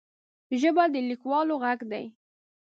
ژبه د لیکوالو غږ دی